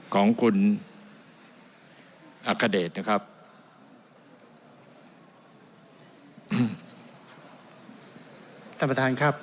ของคุณอัฆฆเดชน์นะครับ